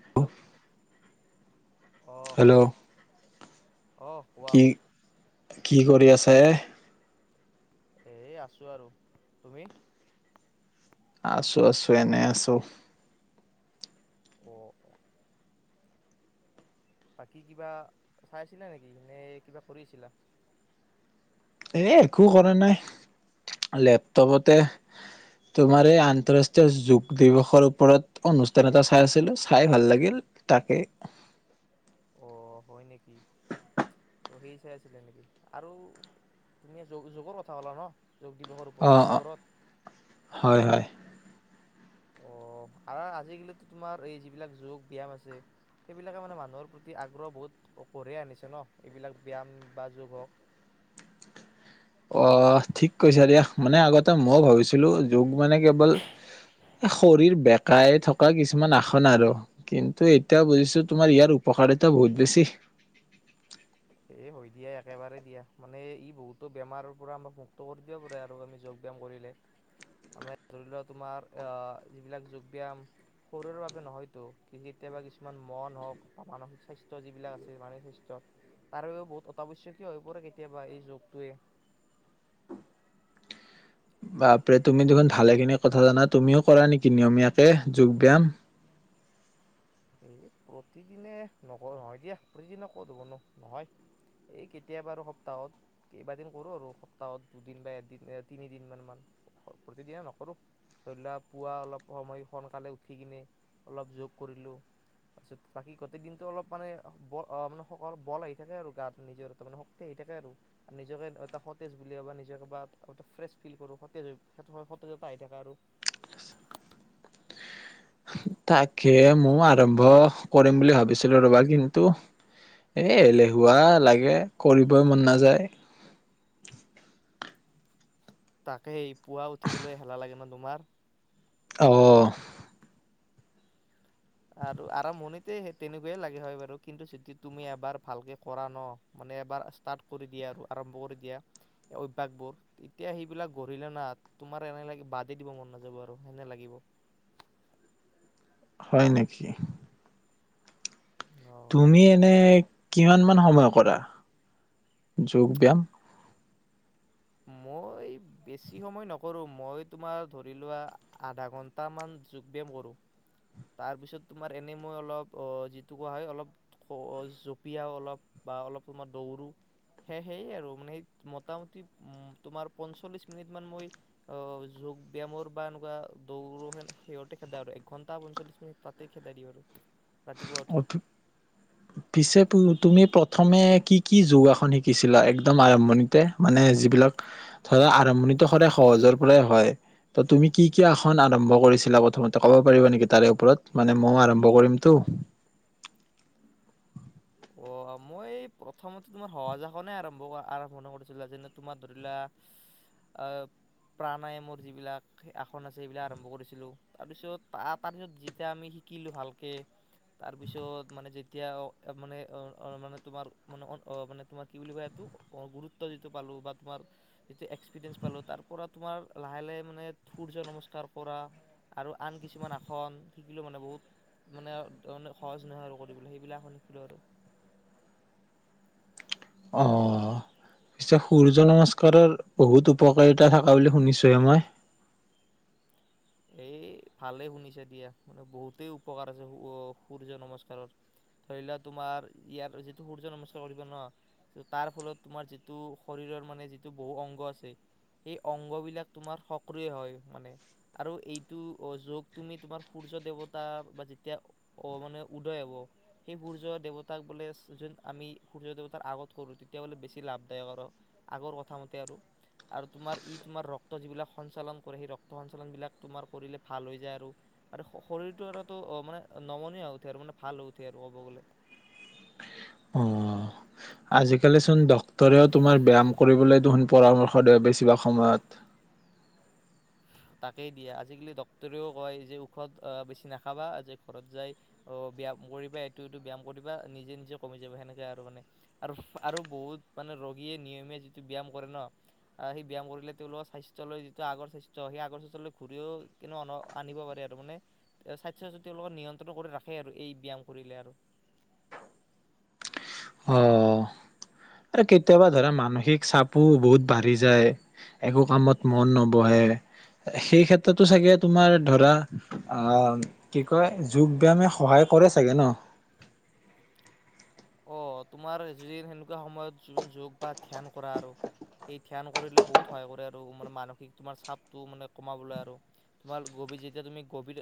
Hello অ', hello অ' কোৱা কি কি কৰি আছা এ এ আছো আৰু তুমি? আছো আছো এনে আছো অ' অ' বাকী কিবা চাই আছিলা নেকি নে কিবা কৰি আছিলা? এ একো কৰা নাই লেপটপতে তোমাৰ এই আন্তৰাষ্ট্ৰীয় যোগ দিৱসৰ ওপৰত অনুষ্ঠান এটা চাই আছিলো চাই ভাল লাগিল তাকেই অ হয় নেকি ত' সেই চাই আছিলে নেকি আৰু তুমি যোগৰ কথা ক'লা ন যোগ দিৱসৰ অ অ ওপৰত হয় হয় অ' আৰু আজিকালিতো তোমাৰ এই যিবিলাক যোগ ব্যায়াম আছে সেইবিলাকে মানে মানুহৰ প্ৰতি আগ্ৰহ বহুত কঢ়িয়াই আনিছে ন। এইবিলাক ব্যায়াম বা যোগ হওক। অহ ঠিক কৈছা দিয়া মানে আগতে মইয়ো ভাবিছিলো যোগ মানে কেৱল শৰীৰ বেকাই থকা কিছুমান আসন আৰু কিন্তু এতিয়া বুজিছো তোমাৰ ইয়াৰ উপকাৰিতা বহুত বেছি। এ হৈ দিয়া একেবাৰে দিয়া মানে ই বহুতো বেমাৰৰ পৰা আমাক মুক্ত কৰি দিব পাৰে আৰু আমি যোগ ব্যায়াম কৰিলে আমাৰ ধৰি লোৱা তোমাৰ আহ যিবিলাক যোগ ব্যায়াম শৰীৰৰ বাবে নহয়তো কেতিয়াবা কিছুমান মন হওক বা মানসিক স্বাস্থ্য যিবিলাক আছে মানসিক স্বাস্থ্যত তাৰ বাবেও বহুত অত্যাৱশ্যকীয় হৈ পৰে কেতিয়াবা এই যুগটোৱে। বাপৰে তুমি দেখোন ভালেখিনি কথা জানা তুমিও কৰা নেকি নিয়মীয়াকে যোগ ব্যায়াম এই প্ৰতিদিনে নকৰোঁ‌ নহয় দিয়া প্ৰতিদিনে ক'ত হ'বনো নহয় এই কেতিয়াবা আৰু সপ্তাহত কেইবাদিন কৰোঁ আৰু সপ্তাহত দুদিন বা এদিন তিনিদিন মান প্ৰতিদিনে নকৰোঁ। ধৰি লোৱা পুৱা অলপ সময় সোনকালে উঠি কিনে অলপ যোগ কৰিলোঁ। তাৰপিছত বাকী গোটেই দিনটো অলপ মানে ব মানে সবল আহি থাকে আৰু গাত নিজৰ শক্তি আহি থাকে আৰু নিজকে এটা সতেজ বুলি ভাবো নিজে ফ্ৰেচ ফিল কৰো সতেজ সতেজতা আহি থাকে আৰু। তাকে মই আৰম্ভ কৰিম বুলি ভাবিছিলো ৰ'বা কিন্তু এ' এলেহুৱা লাগে কৰিবই মন নাযায়। তাকে পুৱা উঠিবলৈ হেলা লাগে ন তোমাৰ? অ' আৰু আৰম্ভণিতে তেনেকুৱাই লাগে হয় বাৰু কিন্তু যদি তুমি এবাৰ ভালকে কৰা ন' মানে এবাৰ ষ্টাৰ্ট কৰি দিয়া আৰু আৰম্ভ কৰি দিয়া অভ্যাসবোৰ এতিয়া সেইবিলাক গঢ়িলে না তোমাৰ এনে লাগে না বাদেই দিব মন নাযাব আৰু হেনে লাগিব হয় নেকি? অ তুমি এনে কিমান মান সময় কৰা যোগ ব্যায়াম? মই বেছি সময় নকৰোঁ মই তোমাৰ ধৰি লোৱা আধা ঘন্টামান যোগ ব্যায়াম কৰোঁ তাৰপিছত তোমাৰ এনে মই অলপ যিটো কোৱা হয় অলপ জঁপিয়াও অলপ বা অলপ তোমাৰ দৌৰো সে সেয়ে আৰু মানে মোটামুটি। তোমাৰ পঞ্চল্লিশ মিনিট মান মই যোগ ব্যায়াম বা এনেকুৱা দৌৰো সেইহতে খেদাই আৰু এক ঘন্টা পঞ্চল্লিশ মিনিট তাতে খেদাই দিওঁ আৰু ৰাতিপুৱা উঠি অ' পিছে তুমি প্ৰথমে কি কি যোগাসন শিকিছিলা একদম আৰম্ভণিত মানে যিবিলাক ধৰা আৰম্ভণিতো সদায় সহজৰ পৰাই হয় ত তুমি কি কি এখন আৰম্ভ কৰিছিলা। প্ৰথমতে ক'ব পাৰিবা নেকি। তাৰে ওপৰত মানে ময়ো আৰম্ভ কৰিম। ত অ' মই এই প্ৰথমতে তোমাৰ সহজ আসনে আৰম্ভ আৰম্ভনি কৰিছিলো। যেনে তোমাৰ ধৰিলোৱা প্ৰাণায়ামৰ যিবিলাক আসন আছে সেইবিলাক আৰম্ভ কৰিছিলো তাৰপিছত তাৰপিছত যেতিয়া আমি শিকিলো ভালকে তাৰপিছত মানে যেতিয়া মানে। মানে তোমাৰ মানে তোমাৰ কি বুলি কয় এইটো গুৰুত্ব যিটো পালো বা তোমাৰ যিটো এক্সপিৰিয়েঞ্চ পালো তাৰ পৰা তোমাৰ লাহে লাহে মানে সূৰ্য নমস্কাৰ কৰা আৰু আন কিছুমান আসন শিকিলো মানে বহুত মানে সহজ নহয় আৰু কৰিবলৈ সেইবিলাক আসন শিকিলো আৰু। অ' পিছে সূৰ্য নমস্কাৰৰ বহুত উপকাৰিতা থকা বুলি শুনিচোহে মই। এ ভালেই শুনিছা দিয়া মানে বহুতেই উপকাৰ আছে সূৰ্য নমস্কাৰৰ ধৰি লোৱা তোমাৰ ইয়াৰ যিটো সূৰ্য নমস্কাৰ কৰিবা ন তাৰ ফলত তোমাৰ যিটো শৰীৰৰ মানে যিটো বহু অংগ আছে সেই অংগ বিলাক তোমাৰ সক্ৰিয় হয় মানে। আৰু এইটো যোগ তুমি তোমাৰ সূৰ্য দেৱতাৰ বা যেতিয়া মানে উদয় হ'ব সেই সূৰ্য দেৱতাক বোলে যোন আমি সূৰ্য দেৱতাৰ আগত কৰোঁ তেতিয়া বোলে বেছি লাভদায়ক আৰু আগৰ কথামতে আৰু আৰু তোমাৰ ই তোমাৰ ৰক্ত যিবিলাক সঞ্চালন কৰে সেই ৰক্ত সঞ্চালন বিলাক তোমাৰ কৰিলে ভাল হৈ যায় আৰু আৰু শৰীৰটো আৰুতো মানে নমনীয়া হৈ উঠে আৰু মানে ভাল হৈ উঠে আৰু ক'ব গলে। অ আজিকালি চোন ডক্তৰেও তোমাৰ ব্যায়াম কৰিবলৈ দেখোন পৰামৰ্শ দিয়ে বেছিভাগ সময়ত তাকেই দিয়া আজিকালি ডক্তৰেও কয় যে ঔষধ বেছি নাখাবা যে ঘৰত যায় ব্যায়াম কৰিবা এইটো এইটো ব্যায়াম কৰিবা নিজে নিজে কমি যাবা সেনেকে আৰু মানে আৰু আৰু বহুত মানে ৰোগীয়ে নিয়মে যিটো ব্যায়াম কৰে ন সেই ব্যায়াম কৰিলে তেওঁলোকৰ স্বাস্থ্য ললৈ যিটো আগৰ স্বাস্থ্য। সেই আগৰ চচৰলৈ ঘূৰিও ক আনিব পাৰে আৰু মানে স্বাস্থ্যৰ তেওঁলোকে নিয়ন্ত্ৰণ কৰি ৰাখে আৰু এই ব্যায়াম কৰিলে আৰু অ' আৰু কেতিয়াবা ধৰা মানসিক চাপো বহুত বাঢ়ি যায় একো কামত মন নবহে সেই ক্ষেত্ৰতো চাগে তোমাৰ ধৰা আহ কি কয় যোগ ব্যায়ামে সহায় কৰে চাগে ন? অ' তোমাৰ য সেনেকুৱা সময়ত যি যোগ বা ধ্যান কৰা আৰু সেই ধ্যান কৰিলে বহুত সহায় কৰে আৰু মে মানসিক তোমাৰ চাপটো মানে কমাবলৈ আৰু তোমাৰ গভীৰ যেতিয়া তুমি গভীৰ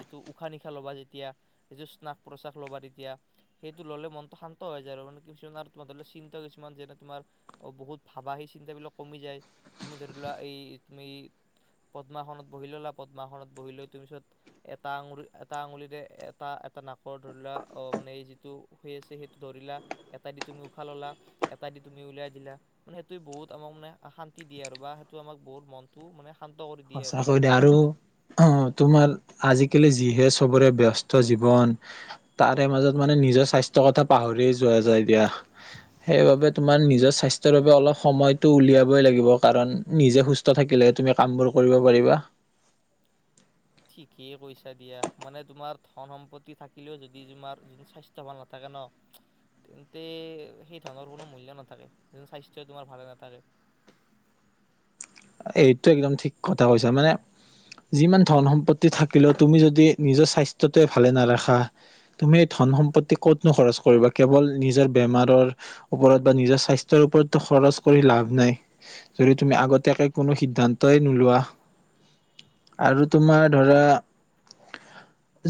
যিটো উশাহ নিশাহ ল'বা যেতিয়া যিটো শ্নাক প্ৰশ্বাস ল'বা তেতিয়া সেইটো ল'লে মন শান্ত হৈ যায় আৰু মানে কিছুমান আৰু তোমাৰ ধৰি লোৱা চিন্তা কিছুমান যেনে তোমাৰ অ' বহুত ভাবা সেই চিন্তাবিলাক কমি যায়। তুমি ধৰি লোৱা এই তুমি পদ্মাসনত বহি ললা পদ্মাখনত বহি লৈ তোমাৰ পিছত এটা আঙুলি এটা আঙুলিৰে এটা এটা নাকৰ ধৰি লোৱা অ মানে এই যিটো সে সেইটো ধৰিলা এটা দি তুমি উশাহ ললা এটা দি তুমি উলিয়াই দিলা মানে সেইটোৱে বহুত আমাক মানে শান্তি দিয়ে আৰু বা সেইটো আমাক বহুত মনতটো মানে শান্ত কৰি দিয়ে আৰু সঁচাকৈ দিয়া আৰু অ' তোমাৰ আজিকালি যিহে সবৰে ব্যস্ত জীৱন তাৰে মাজত মানে নিজৰ স্বাস্থ্যৰ কথা পাহৰিয় যোৱা যায় দিয়া সেইবাবে তোমাৰ নিজৰ স্বাস্থ্যৰ বাবে অলপ সময়তটো উলিয়াবই লাগিব কাৰণ নিজে সুস্থ থাকিলেহে তুমি কামবোৰ কৰিব পাৰিবা ঠিকেই কৈছা দিয়া মানে তোমাৰ ধন সম্পত্তি থাকিলেও যদি তোমাৰ যোন স্বাস্থ্য ভাল নাথাকে ন তেন্তে সেই ধনৰ কোনো মূল্য নাথাকে যোন স্বাস্থ্যই তোমাৰ ভালে নাথাকে। এইটো একদম ঠিক কথা কৈছা মানে যিমান ধন সম্পত্তি থাকিলেও তুমি যদি নিজৰ স্বাস্থ্যটোৱে ভালে নাৰাখা তুমি ধন সম্পত্তি কতনো খৰচ কৰিবা কেৱল নিজৰ বেমাৰৰ ওপৰত বা নিজৰ স্বাস্থ্যৰ ওপৰতো খৰচ কৰি লাভ নাই যদি তুমি আগতীয়াকে কোনো সিদ্ধান্তই নোলোৱা আৰু তোমাৰ ধৰা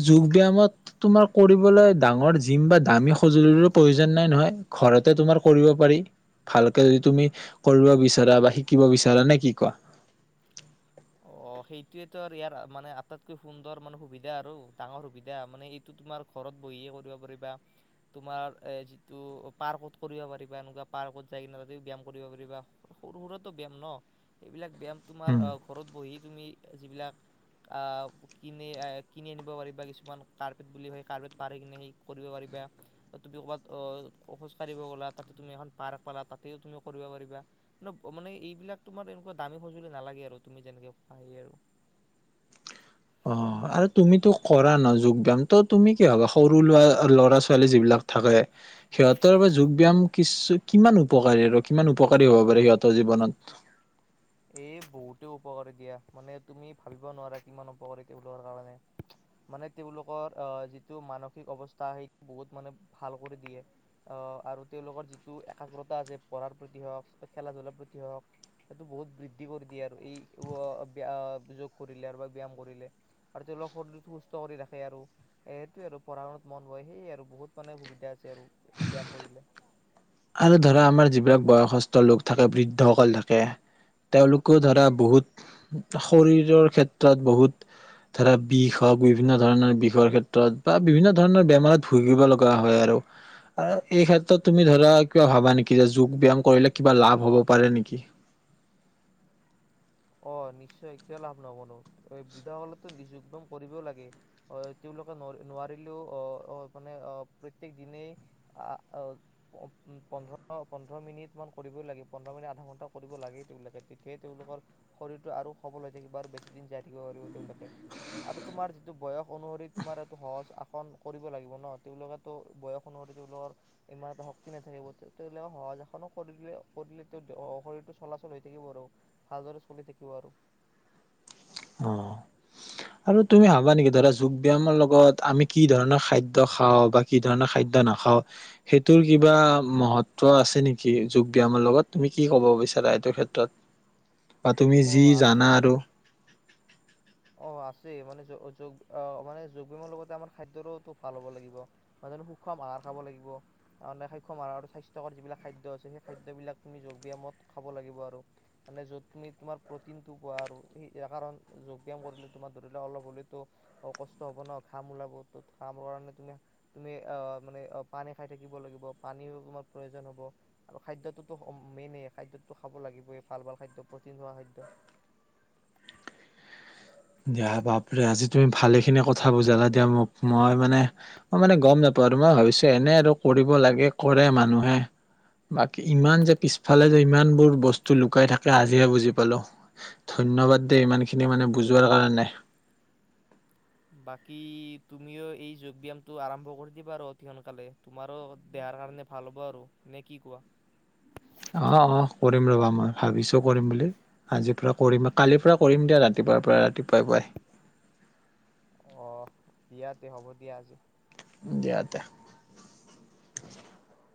যোগ ব্যায়ামত তোমাৰ কৰিবলৈ ডাঙৰ জিম বা দামী সঁজুলিৰো প্ৰয়োজন নাই নহয় ঘৰতে তোমাৰ কৰিব পাৰি ভালকে যদি তুমি কৰিব বিচাৰা বা শিকিব বিচাৰা নে কি? কোৱা অ' সেইটোৱেতো ইয়াৰ মানে আটাইতকৈ সুন্দৰ মানে সুবিধা আৰু ডাঙৰ সুবিধা মানে এইটো তোমাৰ ঘৰত বহিয়ে কৰিব পাৰিবা তোমাৰ যিটো পাৰ্কত কৰিব পাৰিবা এনেকুৱা পাৰ্কত যাই কিনে ত ব্যায়াম কৰিব পাৰিবা সৰু সুৰাতো ব্যায়াম ন এইবিলাক ব্যায়াম তোমাৰ ঘৰত বহি তুমি যিবিলাক আহ কিনি আনিব পাৰিবা। কিছুমান কাৰ্পেট বুলি ভাবিবা কাৰ্পেট পাৰে কিনে সেই কৰিব পাৰিবা। তুমি ক'ৰবাত খোজ কাঢ়িব গ'লা তাতে তুমি এখন পাৰ্ক পালা তাতেও তুমি কৰিব পাৰিবা মানে এইবিলাক তোমাৰ এনেকুৱা দামী সঁজুলি নালাগে আৰু তুমি যেনেকে সেইয়াই আৰু অ' আৰু তুমিতো কৰা ন যোগ ব্যায়াম ত তুমি কি হবা সৰু লৰা ল'ৰা ছোৱালী যিবিলাক থাকে সিহঁতৰ বা যোগ ব্যায়াম কিছু কিমান উপকাৰী আৰু কিমান উপকাৰী হ'ব পাৰে সিহঁতৰ জীৱনত। এই বহুতে উপকাৰী দিয়া মানে তুমি ভাবিব নোৱাৰা কিমান উপকাৰী তেওঁলোকৰ কাৰণে মানে তেওঁলোকৰ আহ যিটো মানসিক অৱস্থা সেইটো বহুত মানে ভাল কৰি দিয়ে আহ আৰু তেওঁলোকৰ যিটো একাগ্ৰতা আছে পঢ়াৰ প্ৰতি হওক খেলা ধলাৰ প্ৰতি হওক সেইটো বহুত বৃদ্ধি কৰি দিয়ে আৰু এই অ'- ব্য- যোগ কৰিলে আৰু বা ব্যায়াম কৰিলে। আৰু তেওঁলোকৰ শৰীৰটো সুস্থ কৰি ৰাখে আৰু। এইটোৱে আৰু পঢ়া-শুনাত মন বহে। সেয়ে আৰু বহুত মানে সুবিধা আছে আৰু ব্যাম কৰিলে। আৰু ধৰা আমাৰ যিবিলাক বয়সস্থ লোক থাকে, বৃদ্ধসকল থাকে, তেওঁলোকো ধৰা বহুত শৰীৰৰ ক্ষেত্ৰত বহুত ধৰা, বিষ হয়, বিভিন্নধৰণৰ বিষৰ ক্ষেত্ৰত বা বিভিন্নধৰণৰ বেমাৰত ভূগিব লগা হয় আৰু আ- এই ক্ষেত্ৰত তুমি ধৰা কিয় ভাবা নেকি যে যোগ-ব্যায়াম কৰিলে কিবা লাভ হব পাৰে নেকি? অ' নিশ্চয়, কিয় লাভ নহবনো? বৃদ্ধাসকলেতো যোগ-ব্যায়াম কৰিব লাগে। অ' তেওঁলোকে নোৱাৰি- নোৱাৰিলেও অ'- অ' মানে অ' প্ৰত্যেক দিনে আ- অ'- উম পোন্ধৰ- পোন্ধৰ মিনিট মান কৰিবই লাগে। পোন্ধৰ মিনিট- আধা ঘন্টা কৰিব লাগে তেওঁলোকে। তেতিয়াই তেওঁলোকৰ শৰীৰতটো আৰু সবল হৈ থাকিব আৰু বেছিদিন জীয়াই থাকিব পাৰিব তেওঁলোকে। আৰু তোমাৰ যিটো বয়স অনুসৰি তোমাৰ এইটো সহজ আসন কৰিব লাগিব ন'? তেওঁলোকেতো বয়স অনুসৰি তেওঁলোকৰ ইমান এটা শক্তি নাথাকিব। তেতিয়া তেওঁলোকে সহজ আসনো কৰিলেও- কৰিলে তেওঁৰ অ- শৰীৰটো চলাচল হৈ থাকিব আৰু। ভালদৰে চলি থাকিব আৰু। অ' আৰু তুমি ভাবা নেকি, ধৰা যোগ-ব্যায়ামৰ লগত আমি কি ধৰণৰ খাদ্য খাওঁ বা কি ধৰণৰ খাদ্য নাখাওঁ সেইটোৰ কিবা মহত্ব আছে নেকি যোগ-ব্যায়ামৰ লগত? তুমি কি ক'ব বিচাৰা এইটো ক্ষেত্ৰত? বা তুমি অ যি আছে জানা আৰু। অ' আছে। মানে যো- যোগ- আ- মানে যোগ -ব্যায়ামৰ লগতে আমাৰ খাদ্যৰোতো ভাল হ'ব লাগিব। মাজতে সুষম আহাৰ খাব লাগিব। মানে সুষম আহাৰ স্বাস্থ্যকৰ যিবিলাক খাদ্য আছে, সেই খাদ্যবিলাক তুমি যোগ-ব্যায়ামত খাব লাগিব আৰু। মানে য'ত তুমি তোমাৰ প্ৰটিনটো পোৱা আৰু সেয়া কাৰণ যোগ ব্যাম কৰিলে তোমাৰ ধৰি লোৱা অলপ হলেতো কষ্ট হব ন'? ঘাম ওলাবতো। ঘামৰ কাৰণে তুমি-তুমি আহ মানে অ' পানী খাই থাকিব লাগিব। পানীও তোমাৰ প্ৰয়োজন হ'ব আৰু খাদ্যটোতো স- মেইনে। খাদ্যটো খাব লাগিবই। ভাল ভাল খাদ্য, প্ৰটিন থকা খাদ্য। দিয়া। বাপৰে আজি তুমি ভালেখিনি কথা বুজালা দিয়া মোক। মই মানে- মই মানে গম নাপাওঁতো মই ভাবিছোঁ এনে আৰু কৰিব লাগে, কৰে মানুহে। বাকী ইমান যে পিছফালে যে ইমানবোৰ বস্তু লুকাই থাকে আজিহে বুজি পালোঁ। ধন্যবাদ দেই ইমান খিনি মানে বুজ যোৱাৰ কাৰণে। বাকী তুমিও এই যোগ-ব্যায়ামটো আৰম্ভ কৰি দিবা আৰু অতি সোনকালে। তোমাৰো দেহাৰ কাৰণে ভাল হ'ব আৰু। নে কি কোৱা? অ'-অ' কৰিম ৰবা মই। ভাবিছোঁ কৰিম বুলি। আজিৰ পৰা কৰিম বা কালিৰ পৰা কৰিম দিয়া ৰাতিপুৱাৰ পৰা ৰাতিপুৱাই পুৱাই। অ' দিয়াতে। হ'ব দিয়া আজি। দিয়া তে। [inaudible]